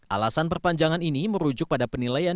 alasan perpanjangan ini merujuk pada penilaian